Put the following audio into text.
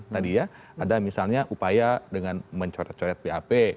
tadi ya ada misalnya upaya dengan mencoret coret bap